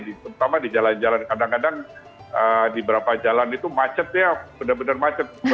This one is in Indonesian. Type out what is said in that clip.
terutama di jalan jalan kadang kadang di berapa jalan itu macet ya benar benar macet